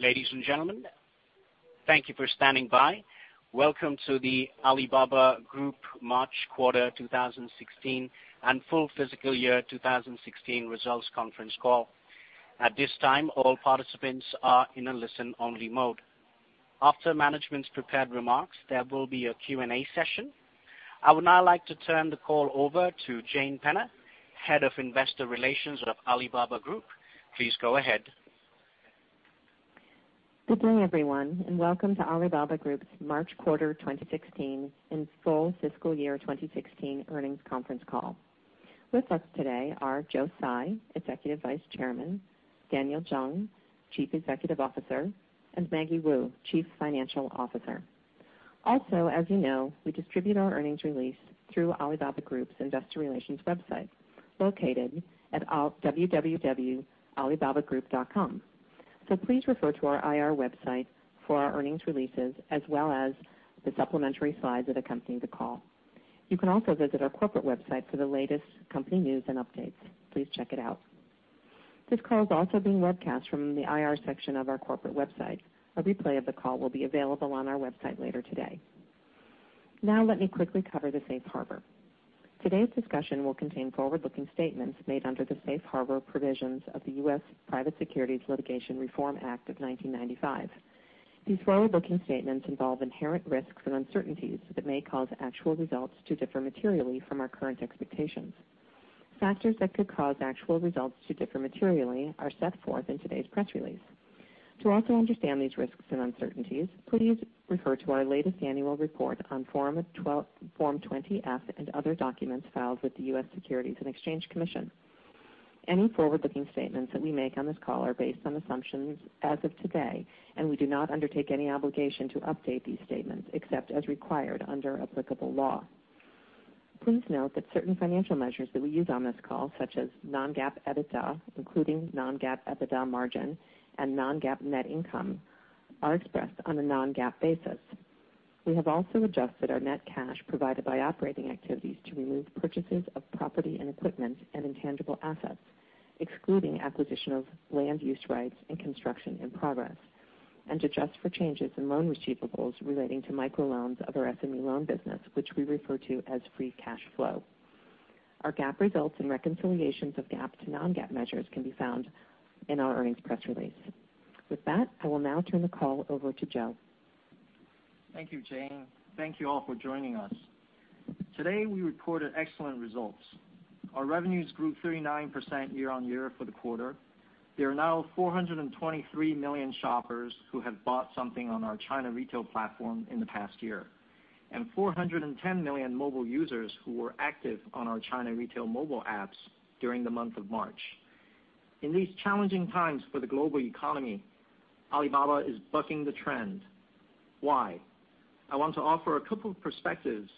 Ladies and gentlemen, thank you for standing by. Welcome to the Alibaba Group March quarter 2016 and full fiscal year 2016 results conference call. At this time, all participants are in a listen-only mode. After management's prepared remarks, there will be a Q&A session. I would now like to turn the call over to Jane Penner, Head of Investor Relations with Alibaba Group. Please go ahead. Good day, everyone, and welcome to Alibaba Group's March quarter 2016 and full fiscal year 2016 earnings conference call. With us today are Joe Tsai, Executive Vice Chairman; Daniel Zhang, Chief Executive Officer; and Maggie Wu, Chief Financial Officer. Also, as you know, we distribute our earnings release through Alibaba Group's investor relations website located at www.alibabagroup.com. Please refer to our IR website for our earnings releases as well as the supplementary slides that accompany the call. You can also visit our corporate website for the latest company news and updates. Please check it out. This call is also being webcast from the IR section of our corporate website. A replay of the call will be available on our website later today. Let me quickly cover the safe harbor. Today's discussion will contain forward-looking statements made under the safe harbor provisions of the U.S. Private Securities Litigation Reform Act of 1995. These forward-looking statements involve inherent risks and uncertainties that may cause actual results to differ materially from our current expectations. Factors that could cause actual results to differ materially are set forth in today's press release. To also understand these risks and uncertainties, please refer to our latest annual report on Form 20-F and other documents filed with the U.S. Securities and Exchange Commission. Any forward-looking statements that we make on this call are based on assumptions as of today, we do not undertake any obligation to update these statements except as required under applicable law. Please note that certain financial measures that we use on this call, such as non-GAAP EBITDA, including non-GAAP EBITDA margin and non-GAAP net income, are expressed on a non-GAAP basis. We have also adjusted our net cash provided by operating activities to remove purchases of property and equipment and intangible assets, excluding acquisition of land use rights and construction in progress, and adjust for changes in loan receivables relating to microloans of our SME loan business, which we refer to as free cash flow. Our GAAP results and reconciliations of GAAP to non-GAAP measures can be found in our earnings press release. With that, I will now turn the call over to Joe. Thank you, Jane Penner. Thank you, all, for joining us. Today, we reported excellent results. Our revenues grew 39% year-on-year for the quarter. There are now 423 million shoppers who have bought something on our China retail platform in the past year, and 410 million mobile users who were active on our China retail mobile apps during the month of March. In these challenging times for the global economy, Alibaba is bucking the trend. Why? I want to offer a couple of perspectives,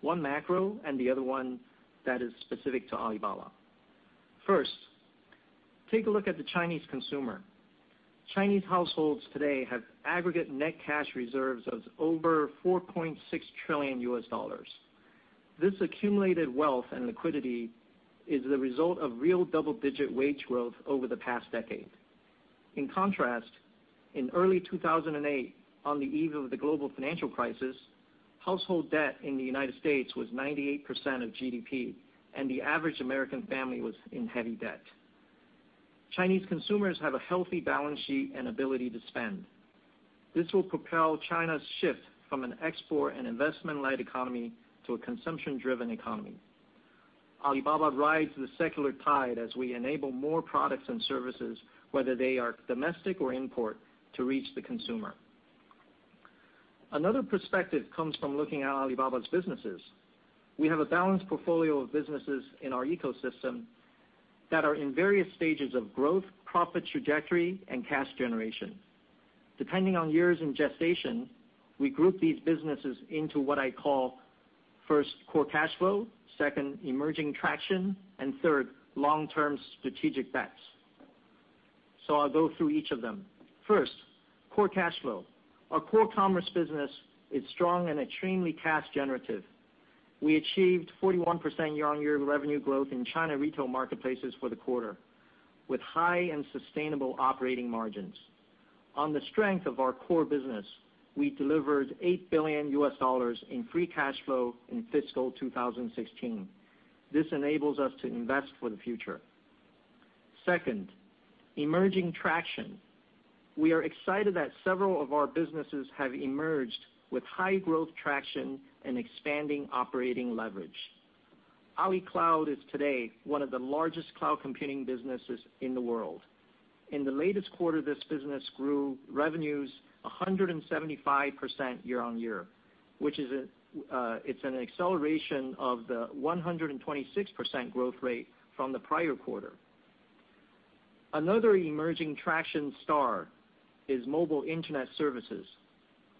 one macro and the other one that is specific to Alibaba. First, take a look at the Chinese consumer. Chinese households today have aggregate net cash reserves of over $4.6 trillion. This accumulated wealth and liquidity is the result of real double-digit wage growth over the past decade. In contrast, in early 2008, on the eve of the global financial crisis, household debt in the U.S. was 98% of GDP, and the average American family was in heavy debt. Chinese consumers have a healthy balance sheet and ability to spend. This will propel China's shift from an export and investment-led economy to a consumption-driven economy. Alibaba rides the secular tide as we enable more products and services, whether they are domestic or import, to reach the consumer. Another perspective comes from looking at Alibaba's businesses. We have a balanced portfolio of businesses in our ecosystem that are in various stages of growth, profit trajectory, and cash generation. Depending on years in gestation, we group these businesses into what I call first, core cash flow; second, emerging traction; and third, long-term strategic bets. I'll go through each of them. First, core cash flow. Our core commerce business is strong and extremely cash generative. We achieved 41% year-over-year revenue growth in China retail marketplaces for the quarter, with high and sustainable operating margins. On the strength of our core business, we delivered $8 billion in free cash flow in fiscal 2016. This enables us to invest for the future. Second, emerging traction. We are excited that several of our businesses have emerged with high growth traction and expanding operating leverage. Alibaba Cloud is today one of the largest cloud computing businesses in the world. In the latest quarter, this business grew revenues 175% year-over-year, which is an acceleration of the 126% growth rate from the prior quarter. Another emerging traction star is mobile internet services,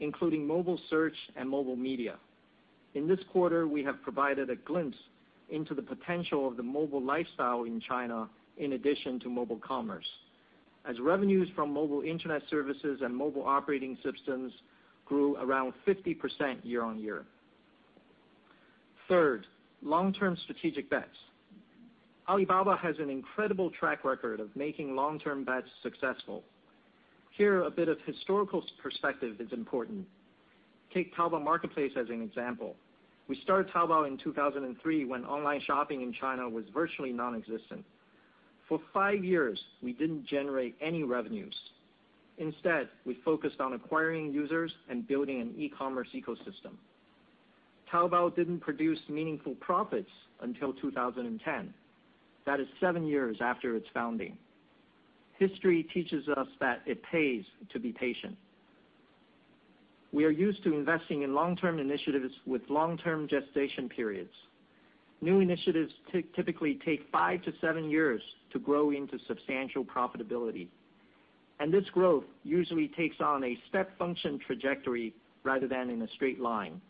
including mobile search and mobile media. In this quarter, we have provided a glimpse into the potential of the mobile lifestyle in China in addition to mobile commerce, as revenues from mobile internet services and mobile operating systems grew around 50% year-over-year. Third, long-term strategic bets. Alibaba has an incredible track record of making long-term bets successful. Here, a bit of historical perspective is important. Take Taobao Marketplace as an example. We started Taobao in 2003 when online shopping in China was virtually nonexistent. For five years, we didn't generate any revenues. Instead, we focused on acquiring users and building an e-commerce ecosystem. Taobao didn't produce meaningful profits until 2010. That is seven years after its founding. History teaches us that it pays to be patient. We are used to investing in long-term initiatives with long-term gestation periods. New initiatives typically take five to seven years to grow into substantial profitability, and this growth usually takes on a step function trajectory rather than in a straight line.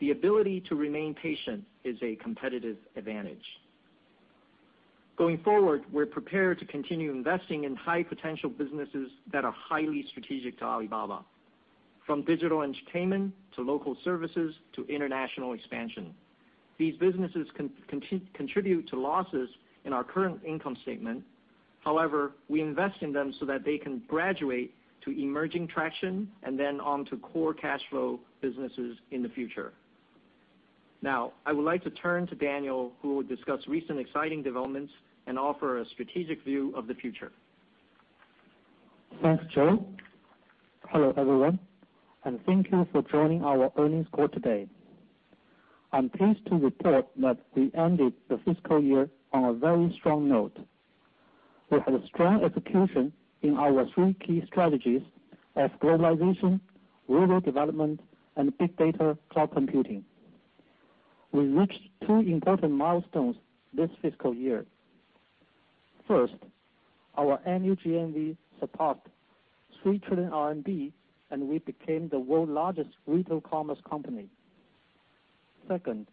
The ability to remain patient is a competitive advantage. Going forward, we're prepared to continue investing in high potential businesses that are highly strategic to Alibaba, from digital entertainment to local services to international expansion. These businesses contribute to losses in our current income statement. However, we invest in them so that they can graduate to emerging traction and then on to core cash flow businesses in the future. Now, I would like to turn to Daniel, who will discuss recent exciting developments and offer a strategic view of the future. Thanks, Joe. Hello, everyone, thank you for joining our earnings call today. I'm pleased to report that we ended the fiscal year on a very strong note. We had a strong execution in our three key strategies of globalization, rural development, and big data cloud computing. We reached two important milestones this fiscal year. First, our annual GMV surpassed 3 trillion RMB, and we became the world largest retail commerce company. Second,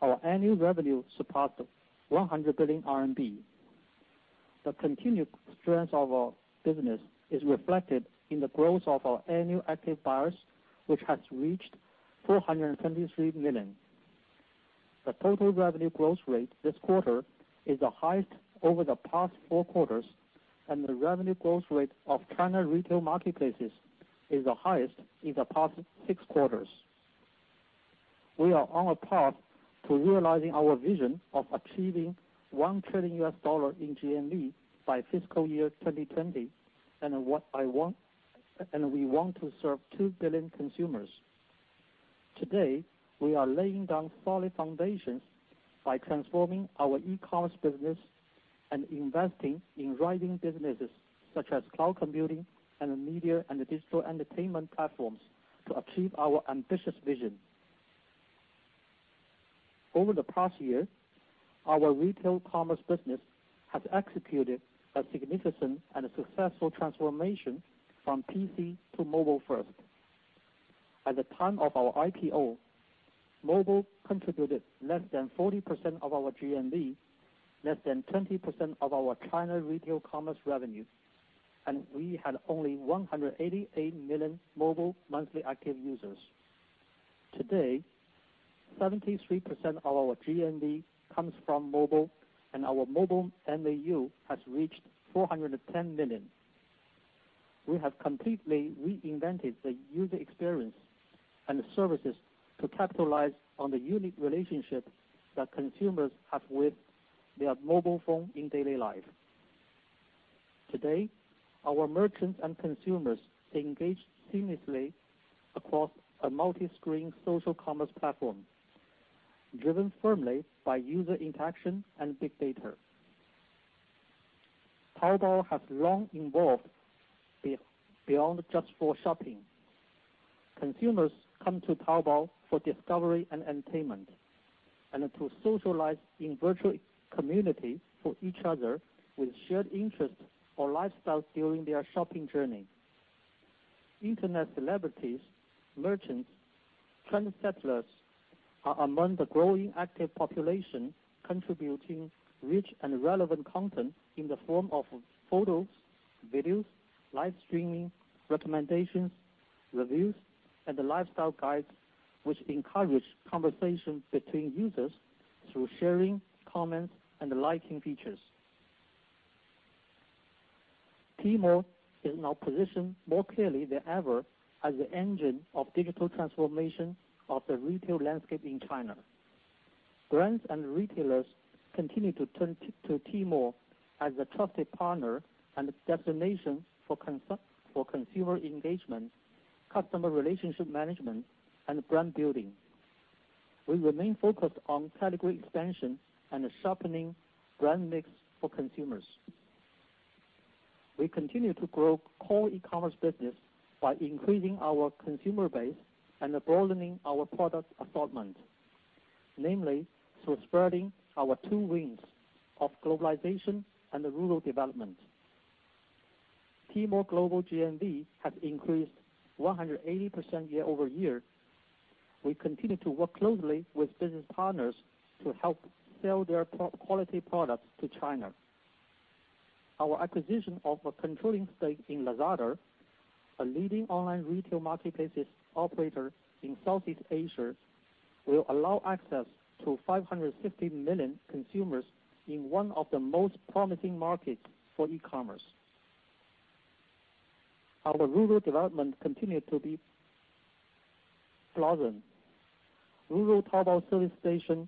our annual revenue surpassed 100 billion RMB. The continued strength of our business is reflected in the growth of our annual active buyers, which has reached 473 million. The total revenue growth rate this quarter is the highest over the past four quarters, and the revenue growth rate of China retail marketplaces is the highest in the past six quarters. We are on a path to realizing our vision of achieving $1 trillion in GMV by fiscal year 2020, and we want to serve 2 billion consumers. Today, we are laying down solid foundations by transforming our e-commerce business and investing in rising businesses such as cloud computing and media and digital entertainment platforms to achieve our ambitious vision. Over the past year, our retail commerce business has executed a significant and successful transformation from PC to mobile first. At the time of our IPO, mobile contributed less than 40% of our GMV, less than 20% of our China retail commerce revenue, and we had only 188 million mobile monthly active users. Today, 73% of our GMV comes from mobile, and our mobile MAU has reached 410 million. We have completely reinvented the user experience and services to capitalize on the unique relationship that consumers have with their mobile phone in daily life. Today, our merchants and consumers engage seamlessly across a multi-screen social commerce platform, driven firmly by user interaction and big data. Taobao has long evolved beyond just for shopping. Consumers come to Taobao for discovery and entertainment and to socialize in virtual communities for each other with shared interests or lifestyles during their shopping journey. Internet celebrities, merchants, trendsetters are among the growing active population, contributing rich and relevant content in the form of photos, videos, live streaming, recommendations, reviews, and lifestyle guides, which encourage conversation between users through sharing, comments, and liking features. Tmall is now positioned more clearly than ever as the engine of digital transformation of the retail landscape in China. Brands and retailers continue to turn to Tmall as a trusted partner and a destination for consumer engagement, customer relationship management, and brand building. We remain focused on category expansion and sharpening brand mix for consumers. We continue to grow core e-commerce business by increasing our consumer base and broadening our product assortment, namely through spreading our two wings of globalization and rural development. Tmall Global GMV has increased 180% year-over-year. We continue to work closely with business partners to help sell their quality products to China. Our acquisition of a controlling stake in Lazada, a leading online retail marketplace operator in Southeast Asia, will allow access to 550 million consumers in one of the most promising markets for e-commerce. Our rural development continued to be pleasant. Rural Taobao service station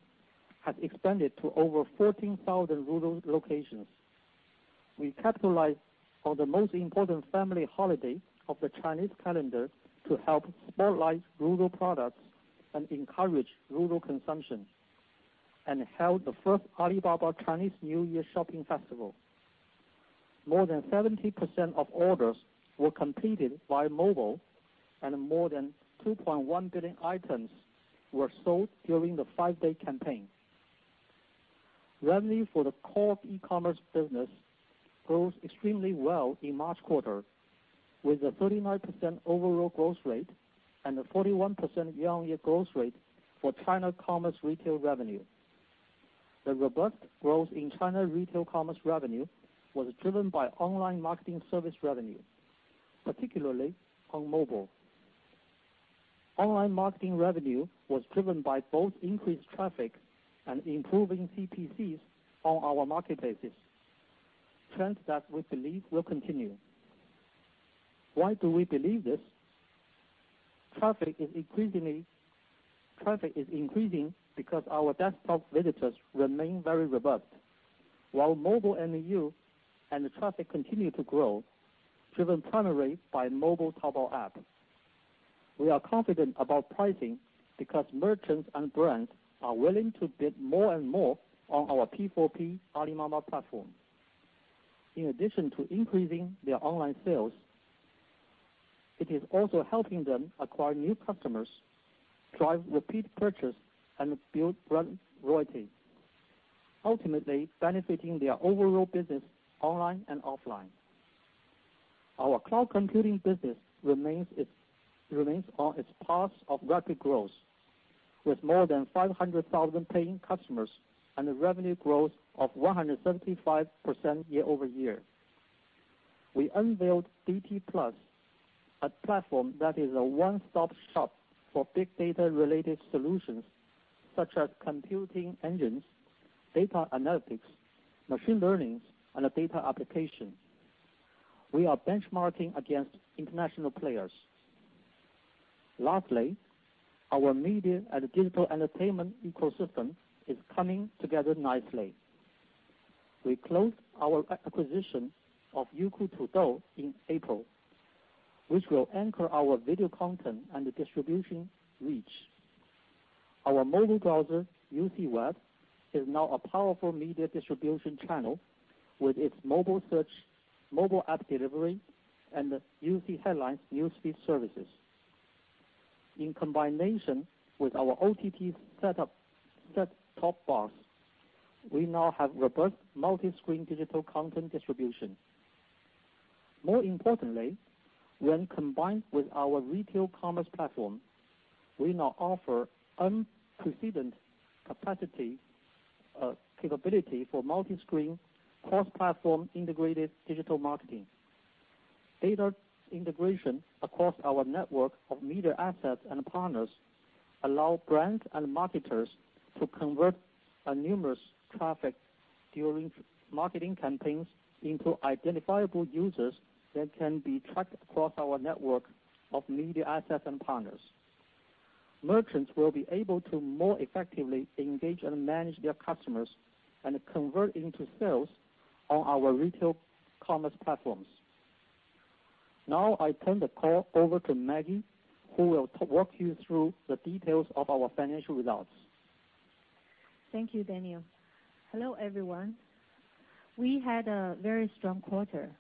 has expanded to over 14,000 rural locations. We capitalize on the most important family holiday of the Chinese calendar to help spotlight rural products and encourage rural consumption, and held the first Alibaba Chinese New Year Shopping Festival. More than 70% of orders were completed via mobile, and more than 2.1 billion items were sold during the 5-day campaign. Revenue for the core e-commerce business grows extremely well in March quarter, with a 39% overall growth rate and a 41% year-on-year growth rate for China commerce retail revenue. The robust growth in China retail commerce revenue was driven by online marketing service revenue, particularly on mobile. Online marketing revenue was driven by both increased traffic and improving CPCs on our marketplaces, trends that we believe will continue. Why do we believe this? Traffic is increasing because our desktop visitors remain very robust. While mobile MAU and traffic continue to grow, driven primarily by mobile Taobao app. We are confident about pricing because merchants and brands are willing to bid more and more on our P4P Alibaba platform. In addition to increasing their online sales, it is also helping them acquire new customers, drive repeat purchase, and build brand loyalty, ultimately benefiting their overall business online and offline. Our cloud computing business remains on its path of rapid growth, with more than 500,000 paying customers and a revenue growth of 175% year-over-year. We unveiled DTplus, a platform that is a one-stop shop for big data related solutions such as computing engines, data analytics, machine learning, and data application. We are benchmarking against international players. Lastly, our media and digital entertainment ecosystem is coming together nicely. We closed our acquisition of Youku Tudou in April, which will anchor our video content and distribution reach. Our mobile browser, UCWeb, is now a powerful media distribution channel with its mobile search, mobile app delivery, and UC Headlines news feed services. In combination with our OTT set-top box, we now have robust multi-screen digital content distribution. More importantly, when combined with our retail commerce platform, we now offer unprecedented capacity, capability for multi-screen, cross-platform integrated digital marketing. Data integration across our network of media assets and partners allow brands and marketers to convert anonymous traffic during marketing campaigns into identifiable users that can be tracked across our network of media assets and partners. Merchants will be able to more effectively engage and manage their customers and convert into sales on our retail commerce platforms. Now I turn the call over to Maggie, who will walk you through the details of our financial results. Thank you, Daniel. Hello, everyone. We had a very strong quarter.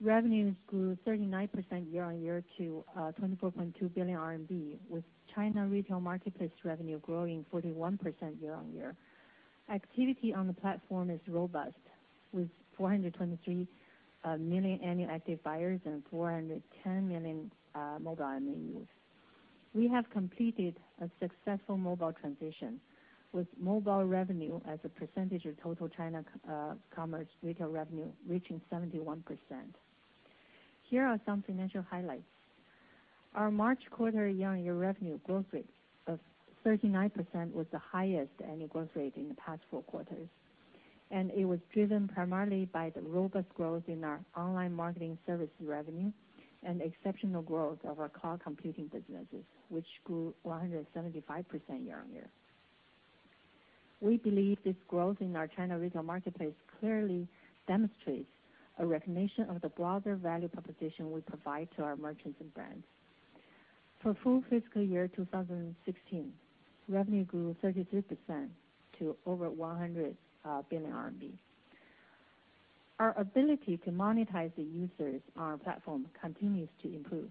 Revenues grew 39% year-over-year to 24.2 billion RMB, with China retail marketplace revenue growing 41% year-over-year. Activity on the platform is robust, with 423 million annual active buyers and 410 million mobile MAUs. We have completed a successful mobile transition with mobile revenue as a percentage of total China commerce retail revenue reaching 71%. Here are some financial highlights. Our March quarter year-over-year revenue growth rate of 39% was the highest annual growth rate in the past four quarters. It was driven primarily by the robust growth in our online marketing services revenue and exceptional growth of our cloud computing businesses, which grew 175% year-over-year. We believe this growth in our China retail marketplace clearly demonstrates a recognition of the broader value proposition we provide to our merchants and brands. For full fiscal year 2016, revenue grew 33% to over 100 billion RMB. Our ability to monetize the users on our platform continues to improve.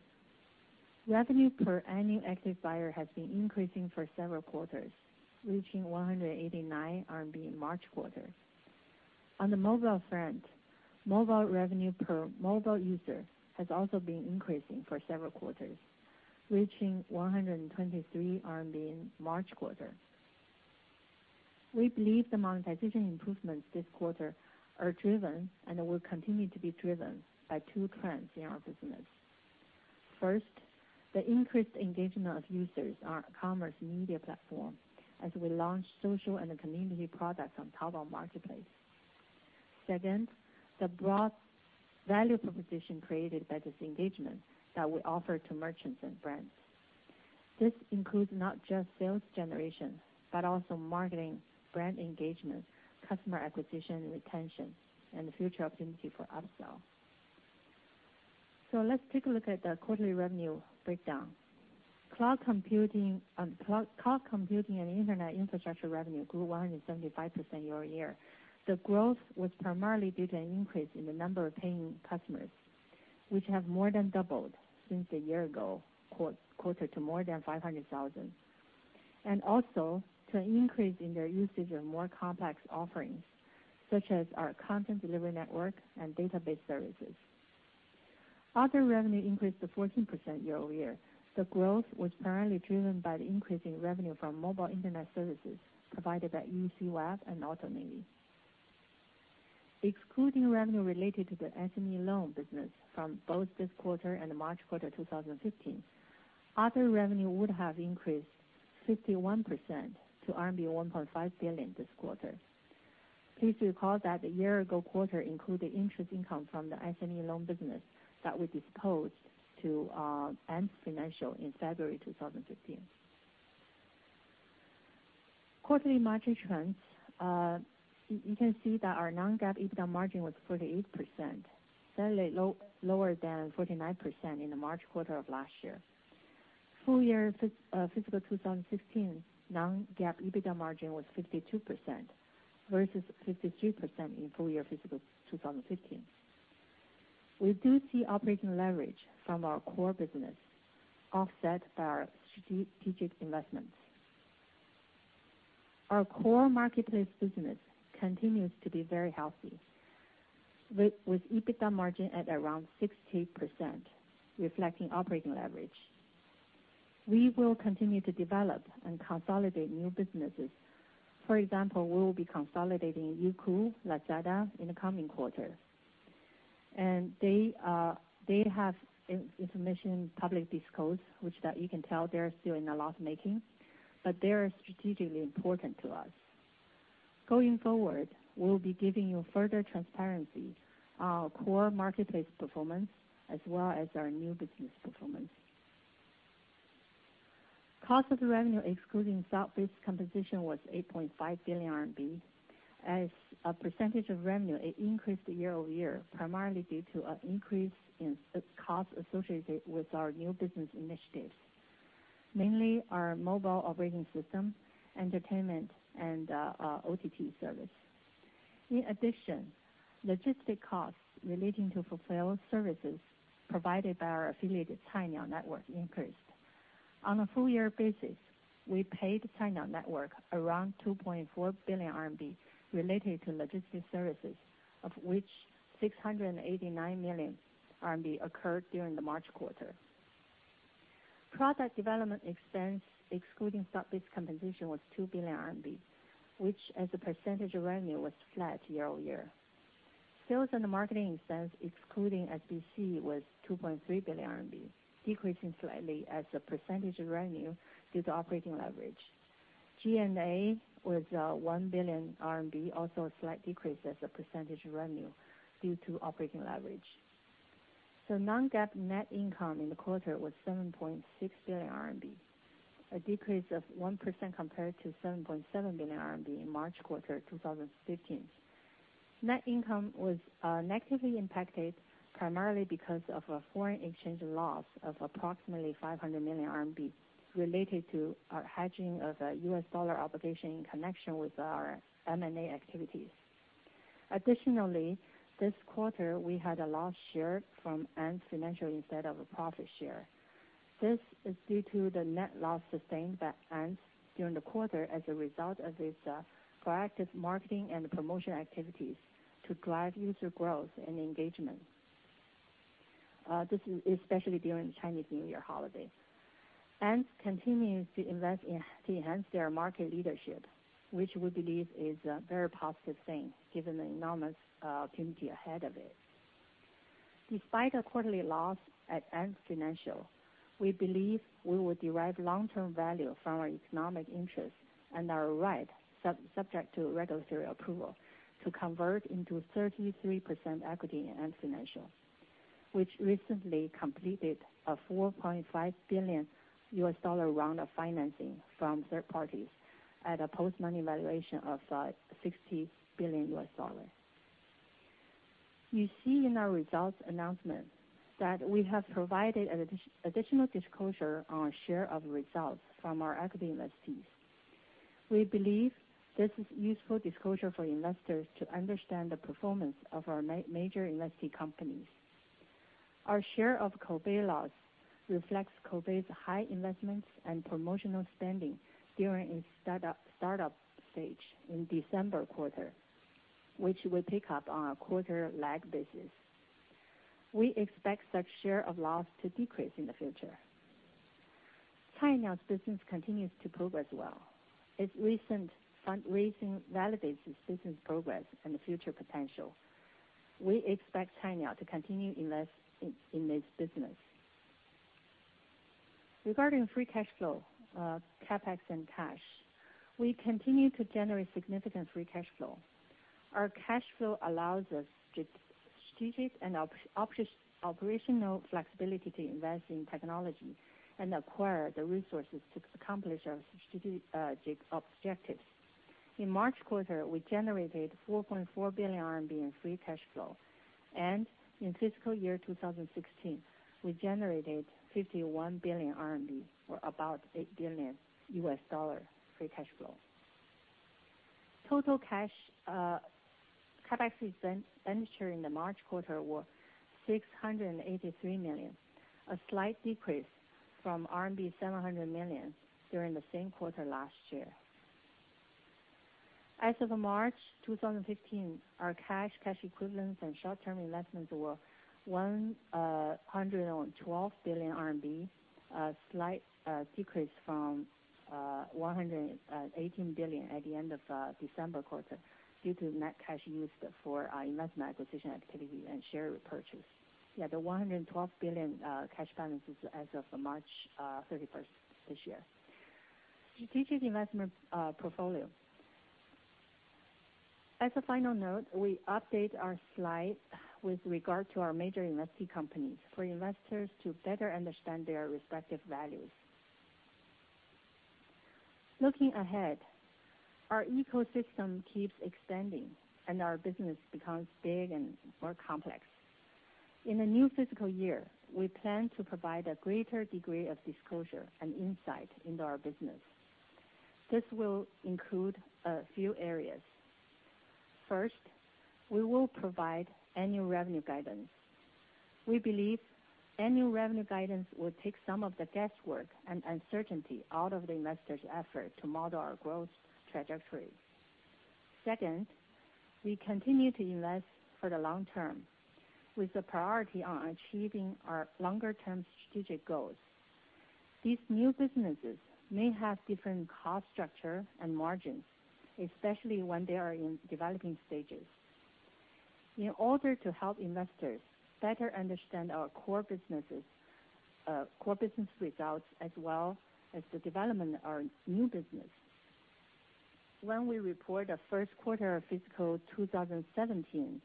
Revenue per annual active buyer has been increasing for several quarters, reaching 189 RMB in March quarter. On the mobile front, mobile revenue per mobile user has also been increasing for several quarters, reaching 123 RMB in March quarter. We believe the monetization improvements this quarter are driven and will continue to be driven by two trends in our business. First, the increased engagement of users on our commerce media platform as we launch social and community products on Taobao Marketplace. Second, the broad value proposition created by this engagement that we offer to merchants and brands. This includes not just sales generation, but also marketing, brand engagement, customer acquisition and retention, and the future opportunity for upsell. Let's take a look at the quarterly revenue breakdown. Cloud computing and internet infrastructure revenue grew 175% year-over-year. The growth was primarily due to an increase in the number of paying customers, which have more than doubled since a year ago quarter to more than 500,000. Also to an increase in their usage of more complex offerings such as our content delivery network and database services. Other revenue increased to 14% year-over-year. The growth was primarily driven by the increase in revenue from mobile internet services provided by UCWeb and AutoNavi. Excluding revenue related to the SME loan business from both this quarter and the March quarter 2015, other revenue would have increased 51% to RMB 1.5 billion this quarter. Please recall that the year-ago quarter included interest income from the SME loan business that we disposed to Ant Financial in February 2015. Quarterly margin trends. You can see that our non-GAAP EBITDA margin was 48%, slightly lower than 49% in the March quarter of last year. Full year fiscal 2015 non-GAAP EBITDA margin was 52% versus 53% in full year fiscal 2015. We do see operating leverage from our core business offset by our strategic investments. Our core marketplace business continues to be very healthy with EBITDA margin at around 60%, reflecting operating leverage. We will continue to develop and consolidate new businesses. For example, we will be consolidating Youku, Lazada in the coming quarter. They have information publicly disclosed, which that you can tell they're still in a loss-making, but they are strategically important to us. Going forward, we'll be giving you further transparency on our core marketplace performance as well as our new business performance. Cost of revenue excluding stock-based compensation was 8.5 billion RMB. As a percentage of revenue, it increased year-over-year, primarily due to an increase in costs associated with our new business initiatives, mainly our mobile operating system, entertainment, and our OTT service. In addition, logistic costs relating to fulfilled services provided by our affiliated Cainiao Network increased. On a full year basis, we paid Cainiao Network around 2.4 billion RMB related to logistic services, of which 689 million RMB occurred during the March quarter. Product development expense excluding stock-based compensation was 2 billion RMB, which as a % of revenue was flat year-over-year. Sales and marketing expense excluding SBC was 2.3 billion RMB, decreasing slightly as a % of revenue due to operating leverage. G&A was 1 billion RMB, also a slight decrease as a % of revenue due to operating leverage. non-GAAP net income in the quarter was 7.6 billion RMB, a decrease of 1% compared to 7.7 billion RMB in March quarter 2015. Net income was negatively impacted primarily because of a foreign exchange loss of approximately 500 million RMB related to our hedging of a US dollar obligation in connection with our M&A activities. Additionally, this quarter, we had a loss share from Ant Financial instead of a profit share. This is due to the net loss sustained by Ant during the quarter as a result of its proactive marketing and promotion activities to drive user growth and engagement. This is especially during the Chinese New Year holiday. Ant continues to invest in, to enhance their market leadership, which we believe is a very positive thing given the enormous opportunity ahead of it. Despite a quarterly loss at Ant Financial, we believe we will derive long-term value from our economic interest and our right subject to regulatory approval to convert into 33% equity in Ant Financial, which recently completed a $4.5 billion round of financing from third parties at a post-money valuation of $60 billion. You see in our results announcement that we have provided additional disclosure on our share of results from our equity investees. We believe this is useful disclosure for investors to understand the performance of our major investee companies. Our share of Koubei loss reflects Koubei's high investments and promotional spending during its start-up stage in December quarter, which will pick up on a quarter lag basis. We expect such share of loss to decrease in the future. Cainiao's business continues to progress well. Its recent fundraising validates its business progress and the future potential. We expect Cainiao to continue invest in this business. Regarding free cash flow, CapEx and cash, we continue to generate significant free cash flow. Our cash flow allows us strategic and operational flexibility to invest in technology and acquire the resources to accomplish our strategic objectives. In March quarter, we generated 4.4 billion RMB in free cash flow, and in fiscal year 2016, we generated 51 billion RMB or about $8 billion free cash flow. Total cash CapEx expenditure in the March quarter were 683 million, a slight decrease from RMB 700 million during the same quarter last year. As of March 2015, our cash equivalents and short-term investments were 112 billion RMB, a slight decrease from 118 billion at the end of December quarter due to net cash used for our investment acquisition activity and share repurchase. The 112 billion cash balances as of March 31st this year. Strategic investment portfolio. As a final note, we update our slide with regard to our major investee companies for investors to better understand their respective values. Looking ahead, our ecosystem keeps expanding, and our business becomes big and more complex. In the new fiscal year, we plan to provide a greater degree of disclosure and insight into our business. This will include a few areas. First, we will provide annual revenue guidance. We believe annual revenue guidance will take some of the guesswork and uncertainty out of the investors' effort to model our growth trajectory. Second, we continue to invest for the long term with the priority on achieving our longer-term strategic goals. These new businesses may have different cost structure and margins, especially when they are in developing stages. In order to help investors better understand our core businesses, core business results, as well as the development of our new business, when we report a first quarter of fiscal 2017,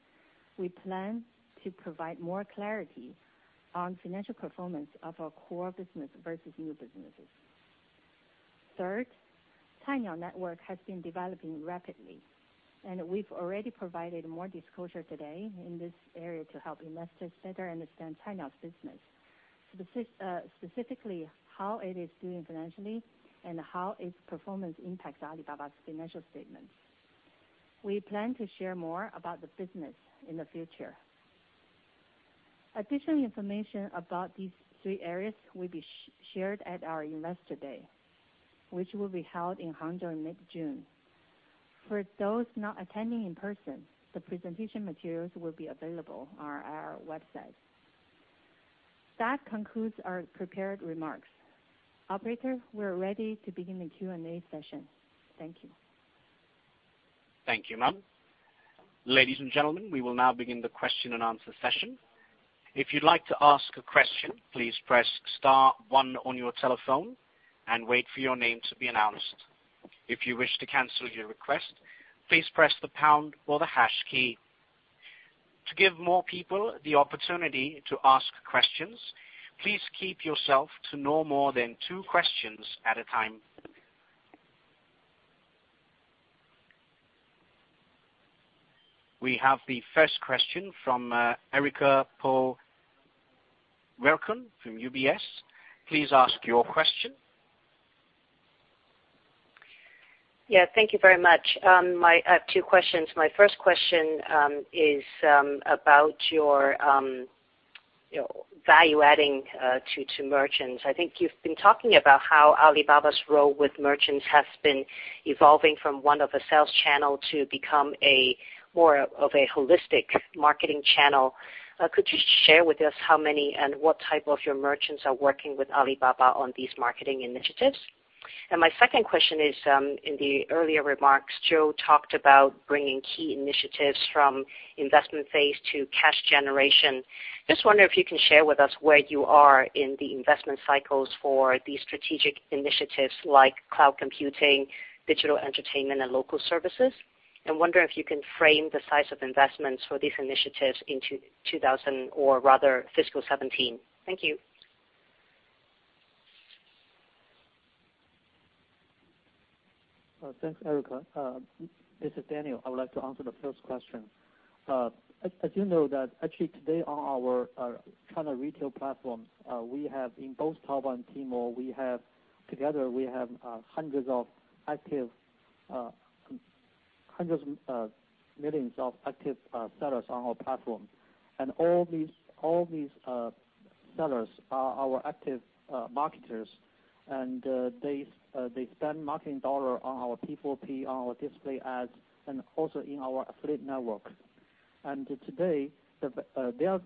we plan to provide more clarity on financial performance of our core business versus new businesses. Third, Cainiao Network has been developing rapidly, and we've already provided more disclosure today in this area to help investors better understand Cainiao's business. Specifically, how it is doing financially and how its performance impacts Alibaba's financial statements. We plan to share more about the business in the future. Additional information about these three areas will be shared at our Investor Day, which will be held in Hangzhou in mid-June. For those not attending in person, the presentation materials will be available on our website. That concludes our prepared remarks. Operator, we're ready to begin the Q&A session. Thank you. Thank you, ma'am. Ladies and gentlemen, we will now begin the question and answer session. If you'd like to ask a question, please press star one on your telephone and wait for your name to be announced. If you wish to cancel your request, please press the pound or the hash key. To give more people the opportunity to ask questions, please keep yourself to no more than two questions at a time. We have the first question from Erica Poon Werkun from UBS. Please ask your question. Yeah. Thank you very much. I have two questions. My first question is about your, you know, value-adding to merchants. I think you've been talking about how Alibaba's role with merchants has been evolving from one of a sales channel to become a more of a holistic marketing channel. Could you share with us how many and what type of your merchants are working with Alibaba on these marketing initiatives? My second question is, in the earlier remarks, Joe talked about bringing key initiatives from investment phase to cash generation. Just wondering if you can share with us where you are in the investment cycles for these strategic initiatives like cloud computing, digital entertainment, and local services. I'm wondering if you can frame the size of investments for these initiatives into fiscal 2017. Thank you. Thanks, Erica. This is Daniel. I would like to answer the first question. As you know that actually today on our China retail platforms, we have in both Taobao and Tmall, we have together, we have hundreds of millions of active sellers on our platform. All these. sellers are our active marketers and they spend marketing dollar on our P4P, on our display ads, and also in our affiliate network. Today, their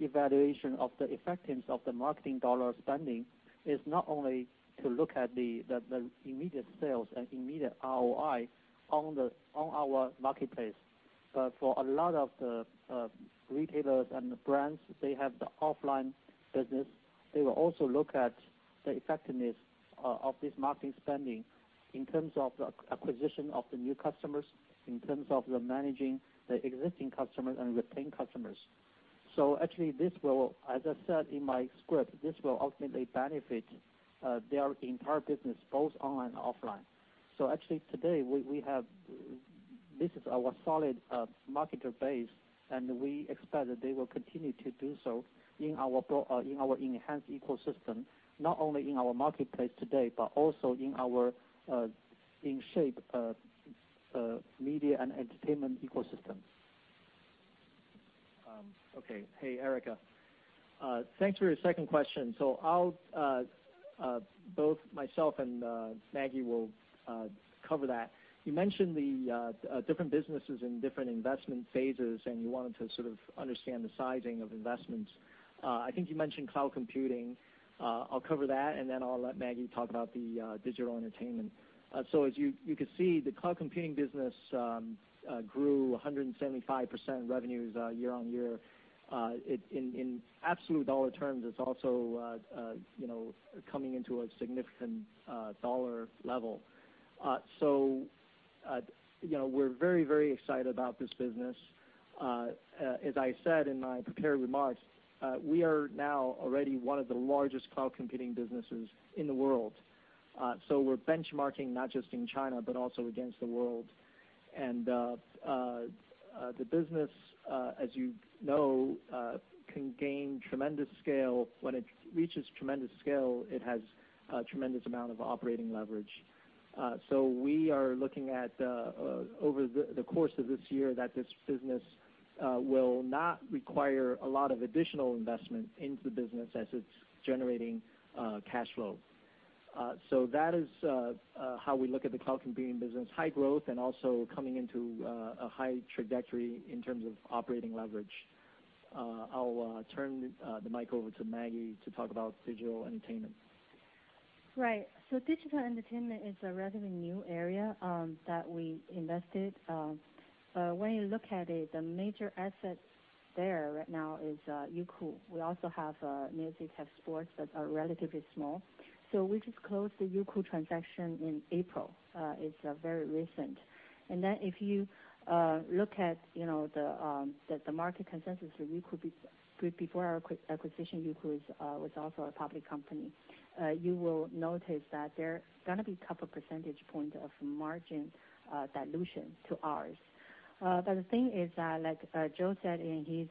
evaluation of the effectiveness of the marketing dollar spending is not only to look at the immediate sales and immediate ROI on our marketplace. For a lot of the retailers and the brands, they have the offline business. They will also look at the effectiveness of this marketing spending in terms of acquisition of the new customers, in terms of the managing the existing customers and retain customers. Actually, this will, as I said in my script, this will ultimately benefit their entire business, both online and offline. Actually today, this is our solid marketer base, and we expect that they will continue to do so in our enhanced ecosystem, not only in our marketplace today, but also in our in-shape media and entertainment ecosystem. Okay. Hey, Erica Poon Werkun. Thanks for your second question. I'll both myself and Maggie will cover that. You mentioned the different businesses in different investment phases, and you wanted to sort of understand the sizing of investments. I think you mentioned cloud computing. I'll cover that, and then I'll let Maggie talk about the digital entertainment. As you can see, the cloud computing business grew 175% revenues year-on-year. In absolute dollar terms, it's also, you know, coming into a significant dollar level. You know, we're very, very excited about this business. As I said in my prepared remarks, we are now already one of the largest cloud computing businesses in the world. We're benchmarking not just in China, but also against the world. The business, as you know, can gain tremendous scale. When it reaches tremendous scale, it has a tremendous amount of operating leverage. We are looking at over the course of this year that this business will not require a lot of additional investment into the business as it's generating cash flow. That is how we look at the cloud computing business, high growth and also coming into a high trajectory in terms of operating leverage. I will turn the mic over to Maggie to talk about digital entertainment. Digital entertainment is a relatively new area that we invested. When you look at it, the major asset there right now is Youku. We also have AliMusic, AliSports that are relatively small. We just closed the Youku transaction in April. It's very recent. If you look at, you know, the market consensus for Youku before our acquisition, Youku was also a public company. You will notice that there are gonna be couple percentage points of margin dilution to ours. The thing is that, like Joe said in his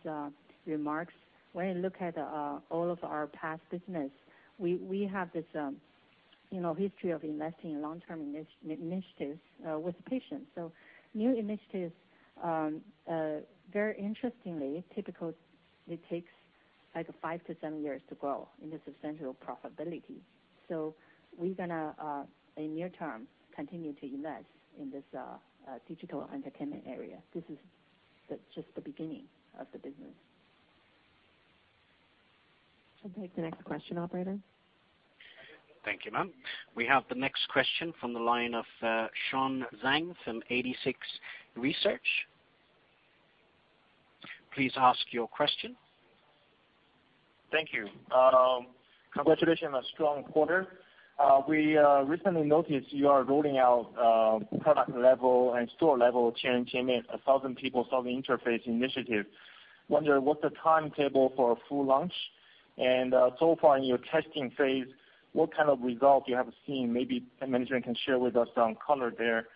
remarks, when you look at all of our past business, we have this, you know, history of investing in long-term initiatives with patience. New initiatives, very interestingly, typical, it takes like five to seven years to grow into substantial profitability. We're gonna in near term, continue to invest in this digital entertainment area. This is just the beginning of the business. I'll take the next question, operator. Thank you, ma'am. We have the next question from the line of Sean Zhang from 86Research. Please ask your question. Thank you. Congratulations on a strong quarter. We recently noticed you are rolling out product level and store level Thousand People, Thousand Faces initiative. Wonder what's the timetable for a full launch? So far in your testing phase, what kind of result you have seen? Maybe management can share with us some color there.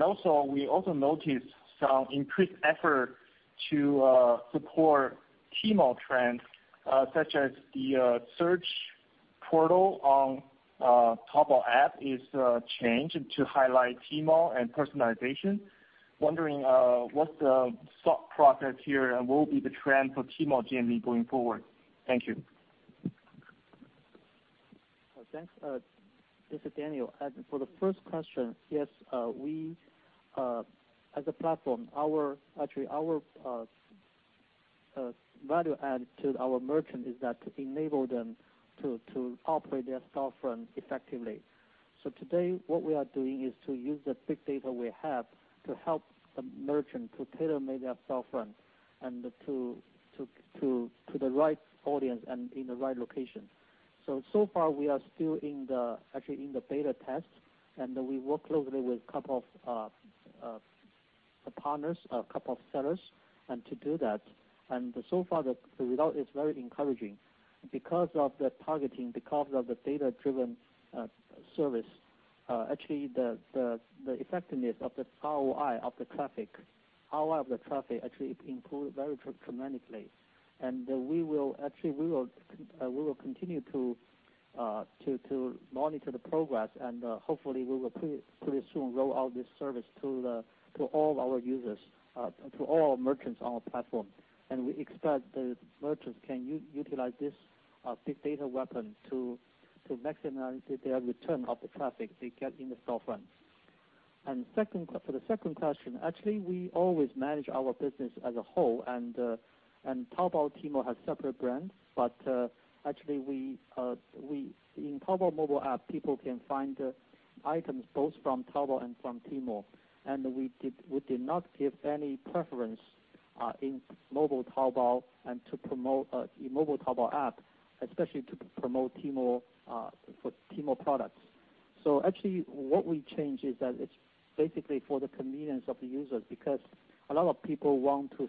Also, we also noticed some increased effort to support Tmall trends, such as the search portal on mobile app is changed to highlight Tmall and personalization. Wondering what's the thought process here, and what will be the trend for Tmall GMV going forward? Thank you. Thanks. This is Daniel. For the first question, yes, we, as a platform, our Actually, our value add to our merchant is that enable them to operate their storefront effectively. Today, what we are doing is to use the big data we have to help the merchant to tailor-make their storefront and to the right audience and in the right location. So far we are still in the, actually in the beta test, and we work closely with couple of partners, a couple of sellers, and to do that. So far the result is very encouraging. Because of the targeting, because of the data-driven service, actually the effectiveness of the ROI of the traffic actually improved very dramatically. We will, actually, we will continue to. to monitor the progress and hopefully we will pretty soon roll out this service to all of our users, to all merchants on our platform. We expect the merchants can utilize this big data weapon to maximize their return of the traffic they get in the storefront. For the second question, actually, we always manage our business as a whole and Taobao Tmall has separate brands, but actually, we In Taobao mobile app, people can find items both from Taobao and from Tmall. We did not give any preference in mobile Taobao and to promote in mobile Taobao app, especially to promote Tmall for Tmall products. Actually, what we changed is that it's basically for the convenience of the users, because a lot of people want to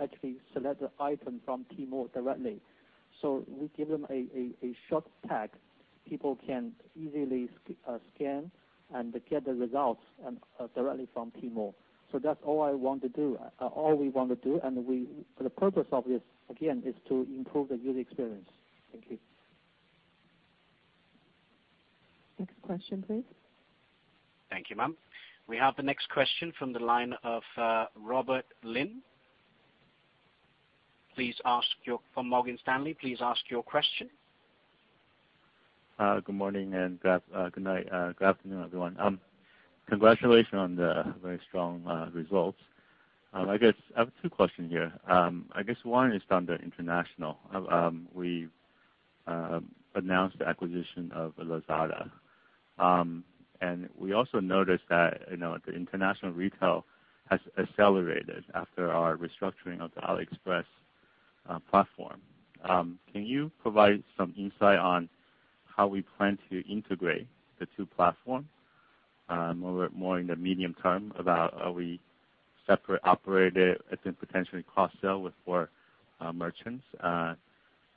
actually select the item from Tmall directly. We give them a short tag. People can easily scan and get the results and directly from Tmall. That's all I want to do. All we want to do. The purpose of this, again, is to improve the user experience. Thank you. Next question, please. Thank you, ma'am. We have the next question from the line of Robert Lin. From Morgan Stanley. Please ask your question. Good morning and good night, good afternoon, everyone. Congratulations on the very strong results. I guess I have two questions here. I guess one is on the international. We announced the acquisition of Lazada. We also noticed that, you know, the international retail has accelerated after our restructuring of the AliExpress platform. Can you provide some insight on how we plan to integrate the two platforms more in the medium term? About are we separate operated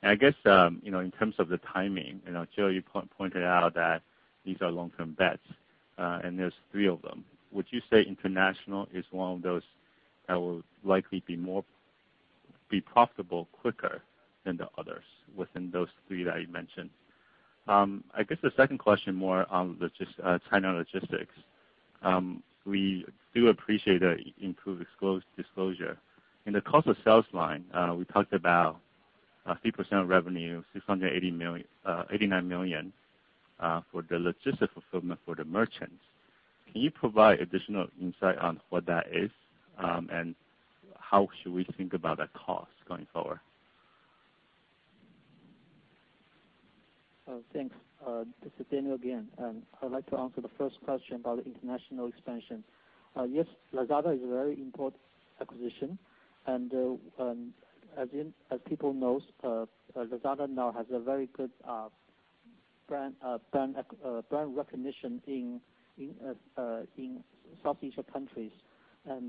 and then potentially cross-sell with for merchants. I guess, you know, in terms of the timing, you know, Joe, you pointed out that these are long-term bets, and there's three of them. Would you say international is one of those that will likely be more profitable quicker than the others within those three that you mentioned? I guess the second question more on the just China logistics. We do appreciate the improved disclosure. In the cost of sales line, we talked about 3% of revenue, 689 million for the logistic fulfillment for the merchants. Can you provide additional insight on what that is, and how should we think about that cost going forward? Thanks. This is Daniel again. I'd like to answer the first question about international expansion. Yes, Lazada is a very important acquisition. As in, as people knows, Lazada now has a very good brand recognition in Southeast Asia countries,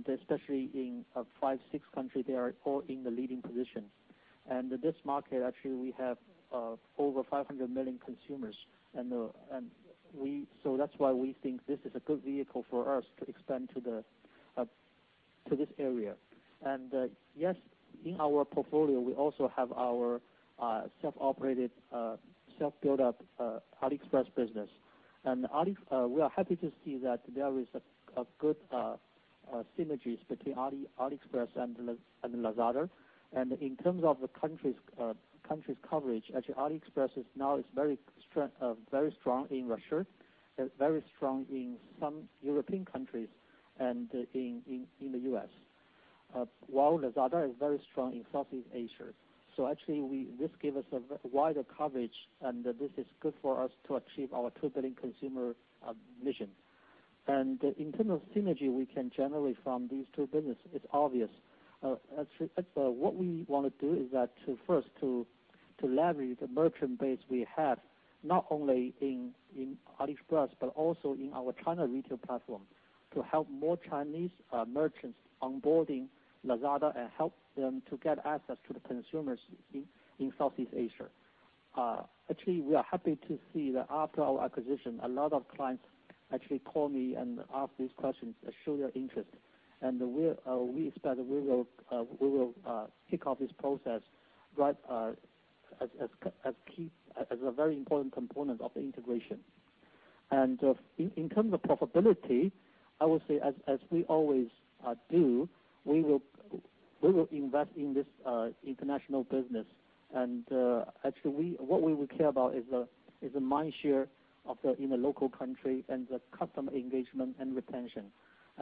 especially in five, six country, they are all in the leading position. This market, actually, we have over 500 million consumers. So that's why we think this is a good vehicle for us to expand to this area. Yes, in our portfolio, we also have our self-operated, self-built up AliExpress business. Ali, we are happy to see that there is a good synergies between AliExpress and Lazada. In terms of the countries coverage, actually, AliExpress is now is very strong in Russia, very strong in some European countries and in the U.S., while Lazada is very strong in Southeast Asia. Actually, this gives us a wider coverage, and this is good for us to achieve our 2 billion consumer mission. In terms of synergy we can generate from these two business, it's obvious. Actually, what we want to do is to first leverage the merchant base we have, not only in AliExpress, but also in our China retail platform, to help more Chinese merchants onboarding Lazada and help them to get access to the consumers in Southeast Asia. Actually, we are happy to see that after our acquisition, a lot of clients actually call me and ask these questions and show their interest. We expect we will kick off this process, right, as key, as a very important component of the integration. In terms of profitability, I would say as we always do, we will invest in this international business. Actually, what we will care about is the mind share in the local country and the customer engagement and retention.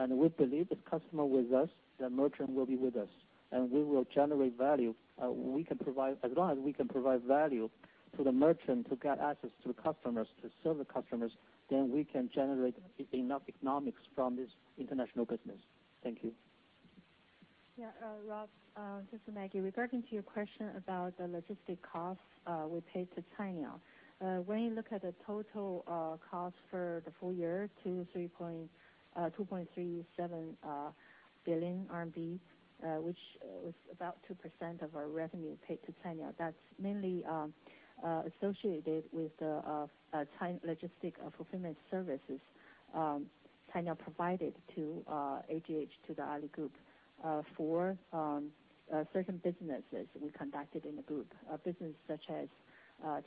We believe if customer with us, the merchant will be with us, and we will generate value. As long as we can provide value to the merchant to get access to the customers, to serve the customers, then we can generate enough economics from this international business. Thank you. Robert Lin, this is Maggie Wu. Regarding your question about the logistics costs we paid to Cainiao. When you look at the total costs for the full year to 2.37 billion RMB, which was about 2% of our revenue paid to Cainiao, that's mainly associated with the logistics fulfillment services Cainiao provided to Alibaba Group for certain businesses we conducted in the group. Business such as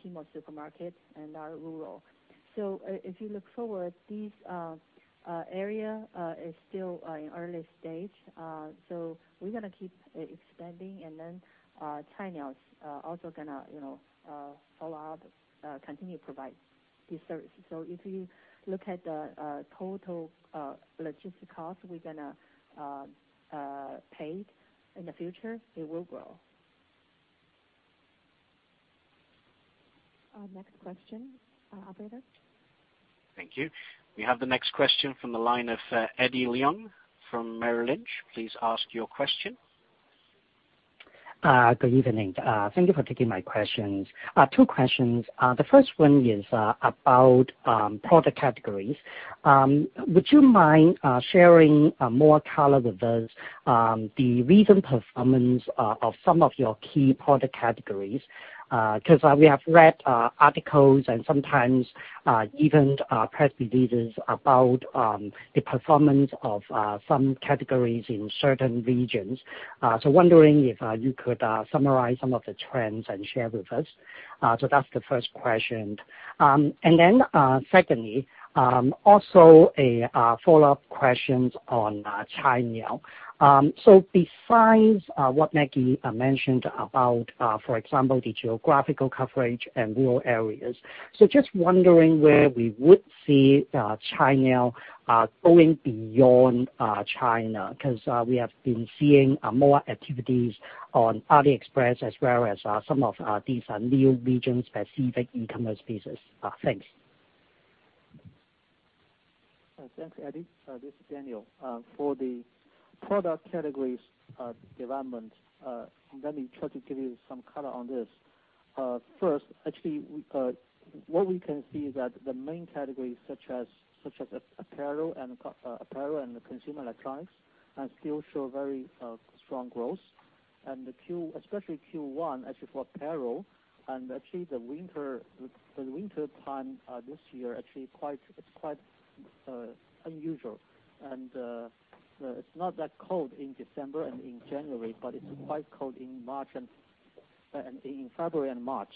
Tmall Supermarket and our Rural Taobao. If you look forward, these area is still in early stage. We're gonna keep expanding. Cainiao's also gonna, you know, allow us continue provide these services. If you look at the total logistics cost we're gonna pay in the future, it will grow. Next question, operator. Thank you. We have the next question from the line of Eddie Leung from Merrill Lynch. Please ask your question. Good evening. Thank you for taking my questions. Two questions. The first one is about product categories. Would you mind sharing more color with those the recent performance of some of your key product categories? 'Cause we have read articles and sometimes even press releases about the performance of some categories in certain regions. Wondering if you could summarize some of the trends and share with us. That's the first question. Secondly, also a follow-up questions on Cainiao. Besides what Maggie mentioned about, for example, the geographical coverage and rural areas, just wondering where we would see Cainiao going beyond China. 'Cause, we have been seeing, more activities on AliExpress as well as, some of, these, new region-specific e-commerce pieces. Thanks. Thanks, Eddie. This is Daniel. For the product categories, development, let me try to give you some color on this. First, actually we, what we can see is that the main categories such as apparel and consumer electronics, still show very strong growth. The Q, especially Q1, actually for apparel, actually the winter time, this year, actually quite, it's quite unusual. It's not that cold in December and in January, but it's quite cold in March and in February and March.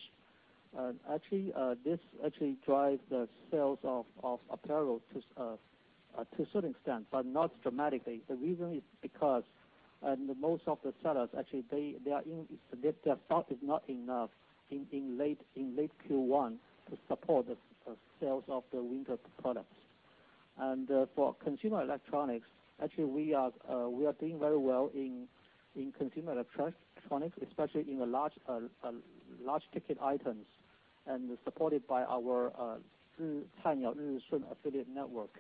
Actually, this actually drive the sales of apparel to a certain extent, but not dramatically. The reason is because, the most of the sellers, actually they are in their stock is not enough in late Q1 to support the sales of the winter products. For consumer electronics, actually we are doing very well in consumer electronics, especially in the large ticket items, and supported by our Cainiao affiliate Network.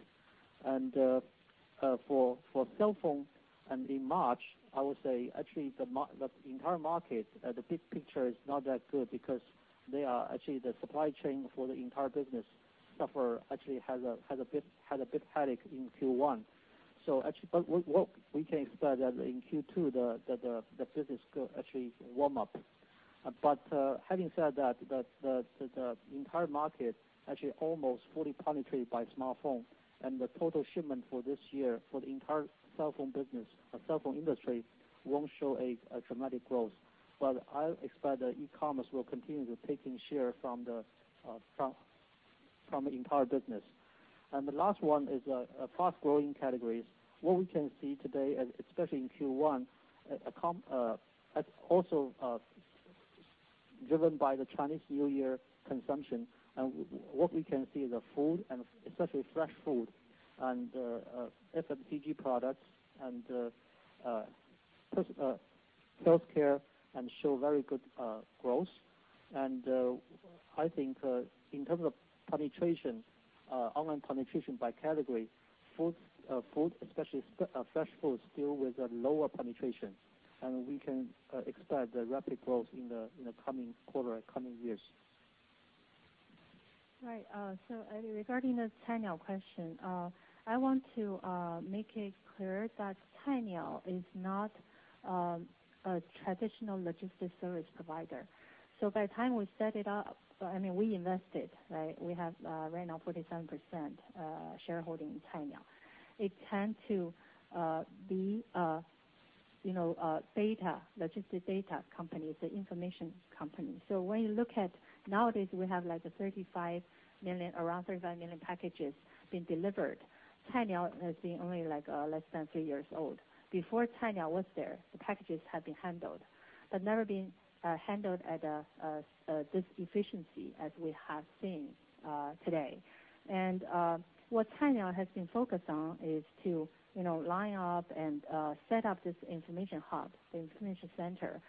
For cell phone and in March, I would say actually the entire market, the big picture is not that good because they are actually the supply chain for the entire business suffer, actually had a bit headache in Q1. We can expect that in Q2 the business could actually warm up. Having said that, the entire market actually almost fully penetrated by smartphone. The total shipment for this year for the entire cell phone business, cell phone industry won't show a dramatic growth. I'll expect the e-commerce will continue to taking share from the entire business. The last one is fast-growing categories. What we can see today, especially in Q1, also driven by the Chinese New Year consumption. What we can see is the food and especially fresh food and FMCG products and healthcare and show very good growth. I think in terms of penetration, online penetration by category, food, especially fresh food, still with a lower penetration. We can expect the rapid growth in the coming quarter and coming years. Eddie, regarding the Cainiao question, I want to make it clear that Cainiao is not a traditional logistics service provider. By the time we set it up, I mean, we invested, right? We have right now 47% shareholding in Cainiao. It tend to be, you know, a data, logistics data company. It's an information company. When you look at nowadays, we have like 35 million, around 35 million packages being delivered. Cainiao has been only, like, less than three years old. Before Cainiao was there, the packages have been handled, but never been handled at this efficiency as we have seen today. What Cainiao has been focused on is to, you know, line up and set up this information hub, the information center.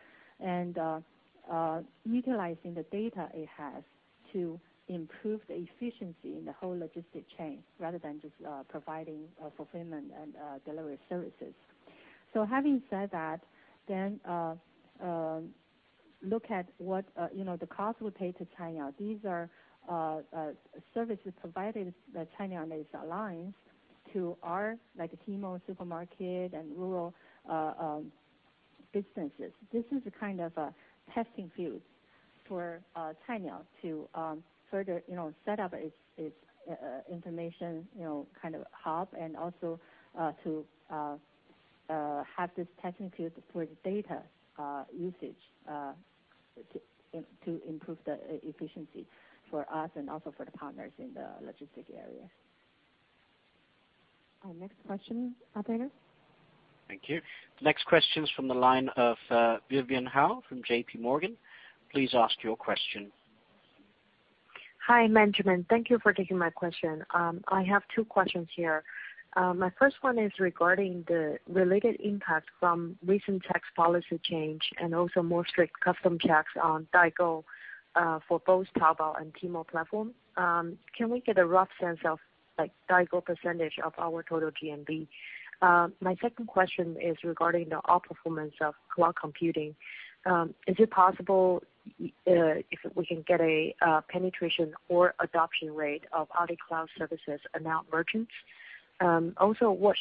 Utilizing the data it has to improve the efficiency in the whole logistic chain rather than just providing fulfillment and delivery services. Having said that, look at what, you know, the cost we pay to Cainiao. These are services provided that Cainiao and its alliance to our, like, Hema Supermarket and rural businesses. This is a kind of a testing field for Cainiao to further, you know, set up its information, you know, kind of hub and also to have this technique for the data usage to improve the efficiency for us and also for the partners in the logistic area. Our next question, operator. Thank you. Next question's from the line of Vivian Hao from JPMorgan. Please ask your question. Hi, management. Thank you for taking my question. I have two questions here. My first one is regarding the related impact from recent tax policy change and also more strict custom checks on daigou for both Taobao and Tmall platform. Can we get a rough sense of like daigou percentage of our total GMV? My second question is regarding the outperformance of cloud computing. Is it possible if we can get a penetration or adoption rate of AliCloud services among merchants? Also what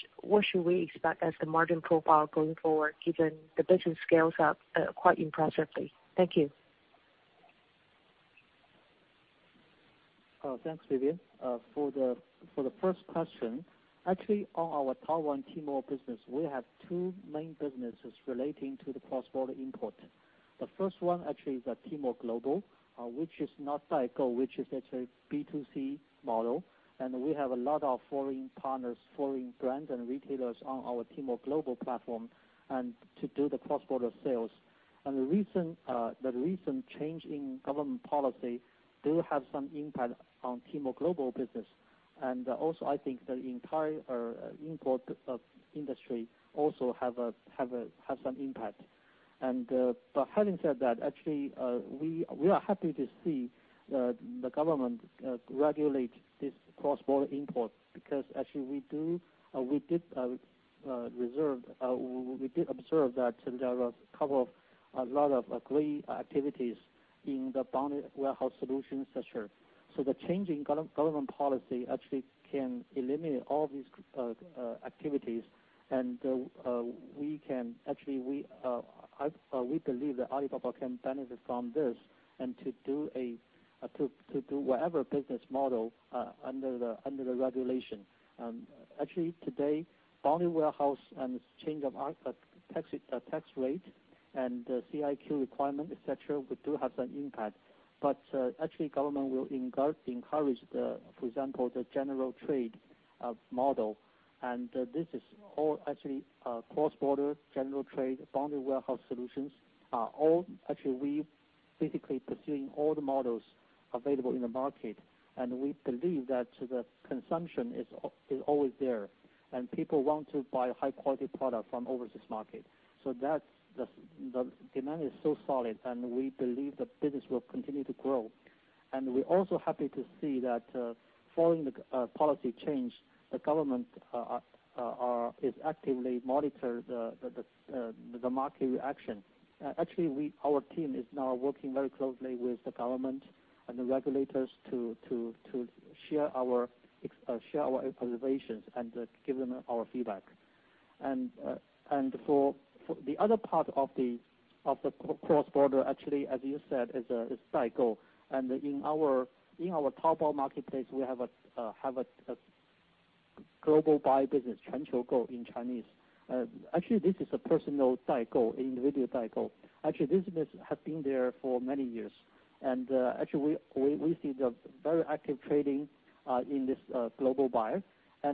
should we expect as the margin profile going forward, given the business scales up quite impressively? Thank you. Thanks, Vivian. For the first question, actually, on our Taobao and Tmall business, we have two main businesses relating to the cross-border import. The first one actually is a Tmall Global, which is not daigou, which is actually B2C model. We have a lot of foreign partners, foreign brands and retailers on our Tmall Global platform and to do the cross-border sales. The recent change in government policy do have some impact on Tmall Global business. Also I think the entire import of industry also has some impact. But having said that, actually, we are happy to see the government regulate this cross-border import because actually we did observe that there were a lot of gray activities in the bonded warehouse solution, et cetera. The change in government policy actually can eliminate all these activities. We believe that Alibaba can benefit from this and to do whatever business model under the regulation. Actually today, bonded warehouse and change of our tax rate and the CIQ requirement, et cetera, we do have some impact. Actually government will encourage the, for example, the general trade model. This is all actually cross-border general trade, bonded warehouse solutions are Actually, we basically pursuing all the models available in the market, we believe that the consumption is always there, people want to buy high quality product from overseas market. That's the demand is so solid, we believe the business will continue to grow. We're also happy to see that, following the policy change, the government is actively monitor the market reaction. Actually we, our team is now working very closely with the government and the regulators to share our observations and give them our feedback. For the other part of the cross-border, actually, as you said, is daigou. In our Taobao Marketplace, we have a Global Buy business, Global Buy in Chinese. Actually this is a personal daigou, individual daigou. Actually, this business has been there for many years. Actually we see the very active trading in this Global Buy.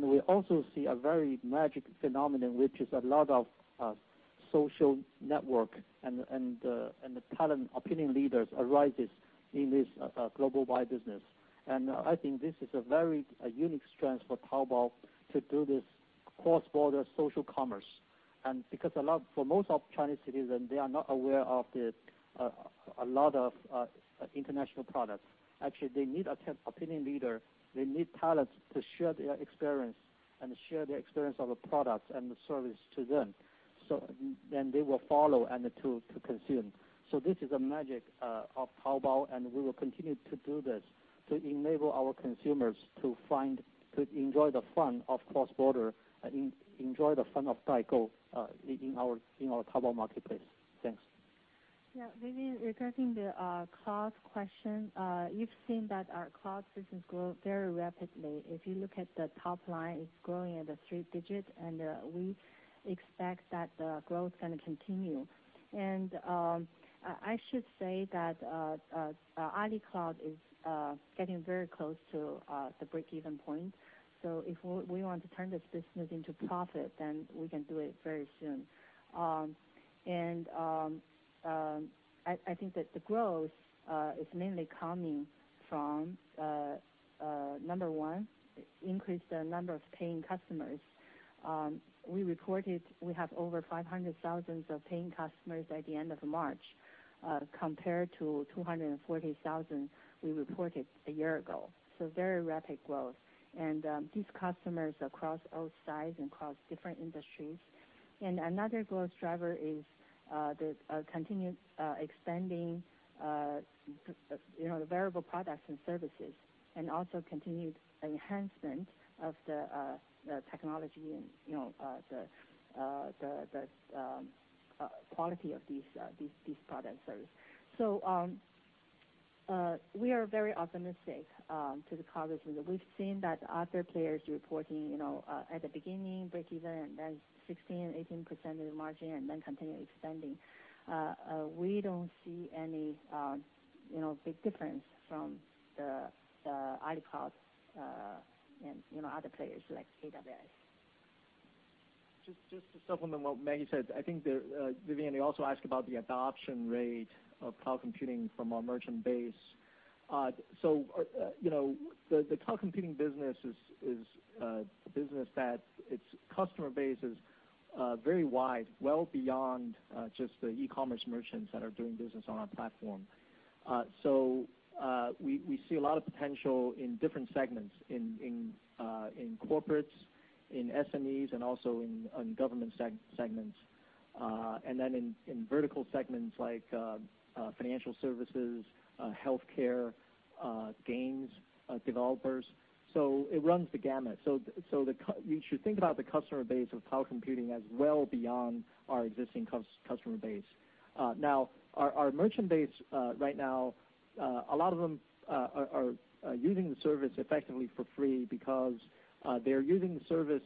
We also see a very magic phenomenon, which is a lot of social network and the talent opinion leaders arises in this Global Buy business. I think this is a very unique strength for Taobao to do this cross-border social commerce. For most of Chinese citizen, they are not aware of a lot of international products. Actually, they need a opinion leader. They need talents to share their experience and share their experience of a product and the service to them. Then they will follow and to consume. This is a magic of Taobao, and we will continue to do this to enable our consumers to find, to enjoy the fun of cross-border and enjoy the fun of daigou in our Taobao Marketplace. Thanks. Vivian, regarding the cloud question, you've seen that our cloud business grow very rapidly. If you look at the top line, it's growing at a three-digit, we expect that the growth gonna continue. I should say that AliCloud is getting very close to the breakeven point. If we want to turn this business into profit, we can do it very soon. I think that the growth is mainly coming from number one, increase the number of paying customers. We reported we have over 500,000 of paying customers at the end of March, compared to 240,000 we reported a year ago. Very rapid growth. These customers across all sides and across different industries. Another growth driver is, the continued expanding, you know, the variable products and services, and also continued enhancement of the technology and, you know, the quality of these products service. We are very optimistic to the progress. We've seen that other players reporting, you know, at the beginning, breakeven, and then 16%-18% of the margin, and then continue expanding. We don't see any, you know, big difference from the Alibaba, and, you know, other players like AWS. Just to supplement what Maggie said, I think Vivian, you also asked about the adoption rate of cloud computing from our merchant base. You know, the cloud computing business is a business that its customer base is very wide, well beyond just the e-commerce merchants that are doing business on our platform. We see a lot of potential in different segments, in corporates, in SMEs, and also in government segments, and then in vertical segments like financial services, healthcare, games, developers. It runs the gamut. You should think about the customer base of cloud computing as well beyond our existing customer base. Now, our merchant base, right now, a lot of them are using the service effectively for free because they're using the service